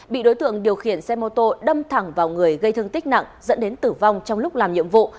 bị đối tượng điều khiển xe mô tô đâm thẳng vào người gây thương tích nặng dẫn đến tử vong trong lúc làm nhiệm vụ